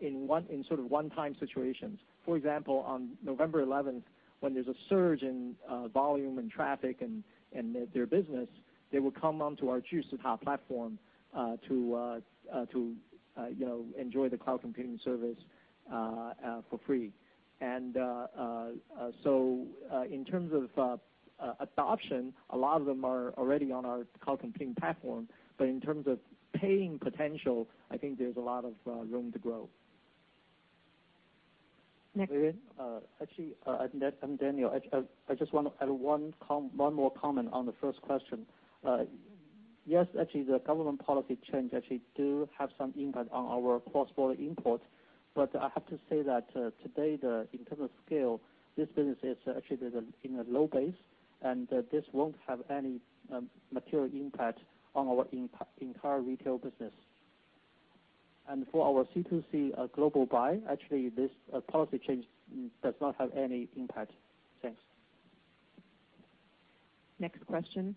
in one, in sort of one-time situations. For example, on November 11th, when there's a surge in volume and traffic in their business, they will come onto our Alibaba Cloud platform, to, you know, enjoy the cloud computing service for free. In terms of adoption, a lot of them are already on our cloud computing platform, but in terms of paying potential, I think there's a lot of room to grow. Next. Vivian, I'm Daniel. I just wanna add one more comment on the first question. Yes, actually, the government policy change actually do have some impact on our cross-border import. I have to say that today, in terms of scale, this business is actually in a low base, and this won't have any material impact on our entire retail business. For our C2C Global Buy, actually, this policy change does not have any impact. Thanks. Next question.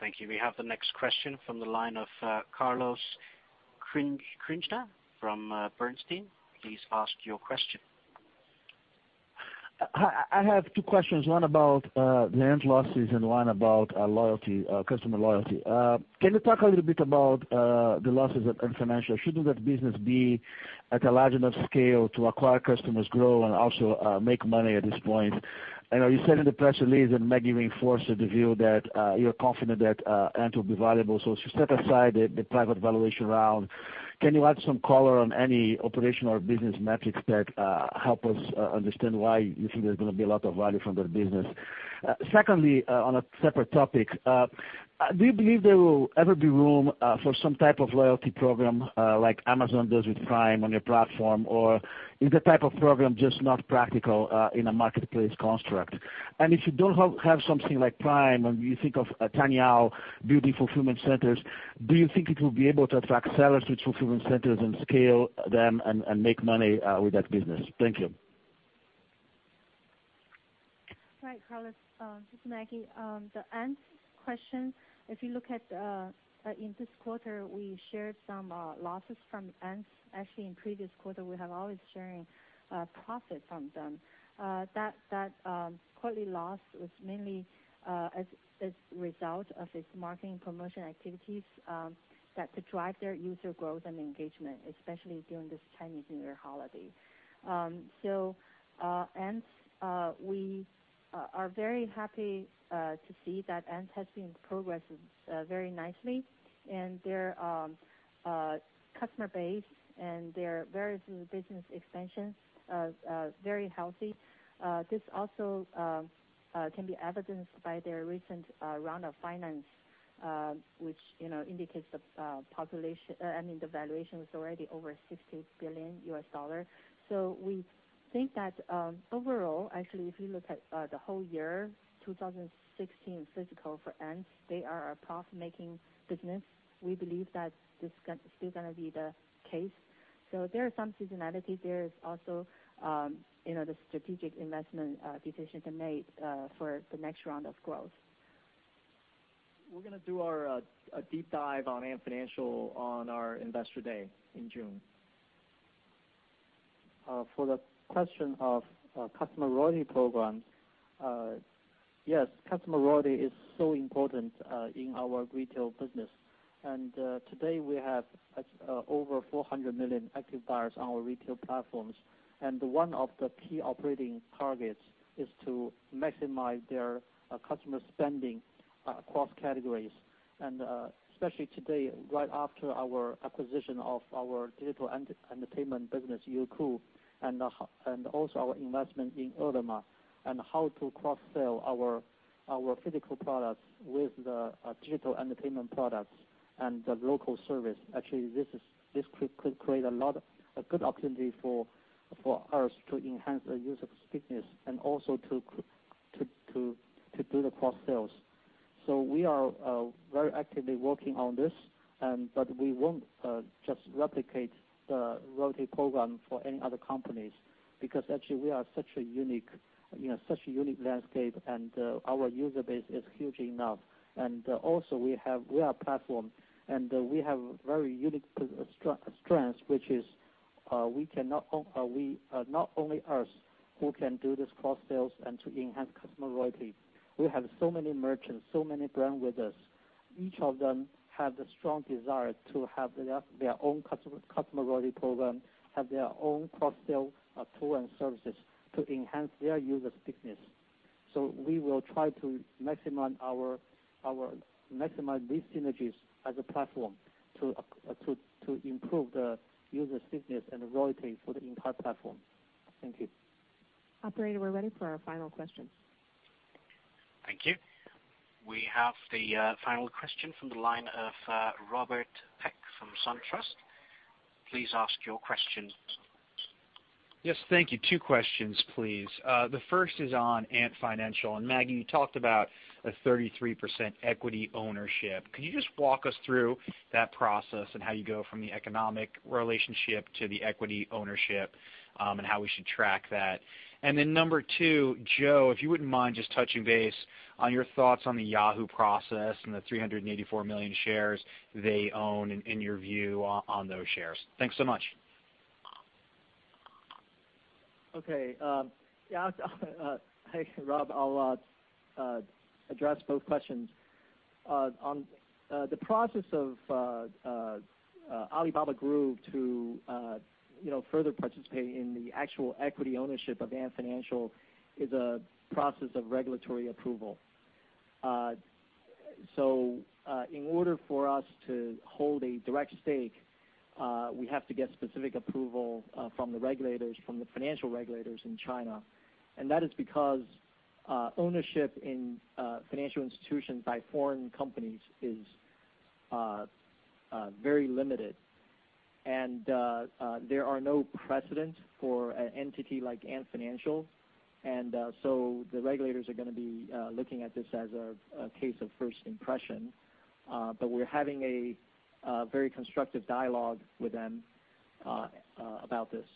Thank you. We have the next question from the line of Carlos Kirjner from Bernstein. Please ask your question. Hi. I have two questions, one about the Ant losses and one about loyalty, customer loyalty. Can you talk a little bit about the losses at Ant Financial? Shouldn't that business be at a large enough scale to acquire customers, grow, and also make money at this point? I know you said in the press release, and Maggie reinforced the view that you're confident that Ant will be valuable. Set aside the private valuation round. Can you add some color on any operational or business metrics that help us understand why you think there's gonna be a lot of value from their business? Secondly, on a separate topic, do you believe there will ever be room for some type of loyalty program, like Amazon does with Prime on your platform? Is the type of program just not practical in a marketplace construct? If you don't have something like Prime and you think of Tmall Beauty fulfillment centers, do you think it will be able to attract sellers to fulfillment centers and scale them and make money with that business? Thank you. Right, Carlos, this is Maggie. The Ant question, if you look at in this quarter, we shared some losses from Ant. Actually, in previous quarter, we have always sharing profit from them. That quarterly loss was mainly as result of its marketing promotion activities that drive their user growth and engagement, especially during this Chinese New Year holiday. Ant, we are very happy to see that Ant has been progressing very nicely, and their customer base and their various business expansions are very healthy. This also can be evidenced by their recent round of finance, which, you know, indicates I mean, the valuation was already over $60 billion. We think that, overall, actually, if you look at the whole year, 2016 fiscal for Ant, they are a profit-making business. We believe that this still gonna be the case. There are some seasonality. There is also, you know, the strategic investment decision to make for the next round of growth. We're gonna do our, a deep dive on Ant Financial on our Investor Day in June. For the question of customer loyalty programs, yes, customer loyalty is so important in our retail business. Today we have over 400 million active buyers on our retail platforms. One of the key operating targets is to maximize their customer spending across categories. Especially today, right after our acquisition of our digital entertainment business, Youku, and also our investment in Ele.me, and how to cross-sell our physical products with the digital entertainment products and the local service. Actually, this is, this could create a lot, a good opportunity for us to enhance the user stickiness and also to do the cross-sales. We are very actively working on this, but we won't just replicate the loyalty program for any other companies because actually we are such a unique, you know, such a unique landscape and our user base is huge enough. Also we are a platform and we have very unique strength, which is we cannot not only us who can do this cross-sales and to enhance customer loyalty. We have so many merchants, so many brand with us. Each of them have the strong desire to have their own customer loyalty program, have their own cross-sale tool and services to enhance their user stickiness. We will try to maximize our maximize these synergies as a platform to improve the user stickiness and loyalty for the entire platform. Thank you. Operator, we're ready for our final question. Thank you. We have the final question from the line of Robert Peck from SunTrust. Please ask your question. Yes, thank you. Two questions, please. The first is on Ant Financial. Maggie, you talked about a 33% equity ownership. Could you just walk us through that process and how you go from the economic relationship to the equity ownership, and how we should track that? Number two, Joe, if you wouldn't mind just touching base on your thoughts on the Yahoo process and the 384 million shares they own and your view on those shares. Thanks so much. Okay. Yeah. Hey, Rob. I'll address both questions. On the process of Alibaba Group to, you know, further participate in the actual equity ownership of Ant Financial is a process of regulatory approval. In order for us to hold a direct stake, we have to get specific approval from the regulators, from the financial regulators in China. That is because ownership in financial institutions by foreign companies is very limited. There are no precedents for an entity like Ant Financial. The regulators are going to be looking at this as a case of first impression. We're having a very constructive dialogue with them about this.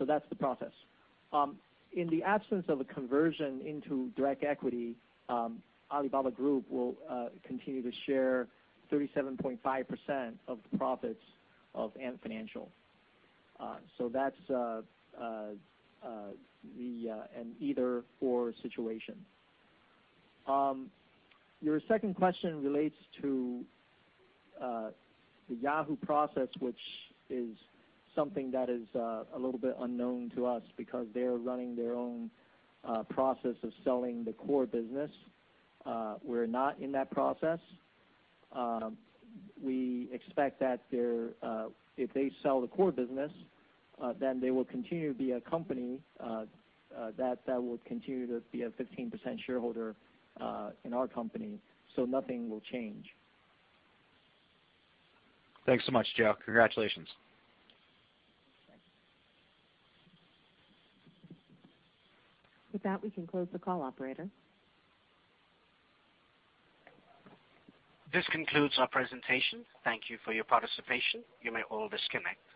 That's the process. In the absence of a conversion into direct equity, Alibaba Group will continue to share 37.5% of the profits of Ant Financial. That's an either/or situation. Your second question relates to the Yahoo process, which is something that is a little bit unknown to us because they are running their own process of selling the core business. We're not in that process. We expect that if they sell the core business, then they will continue to be a company that will continue to be a 15% shareholder in our company, so nothing will change. Thanks so much, Joe. Congratulations. With that, we can close the call, operator. This concludes our presentation. Thank you for your participation. You may all disconnect.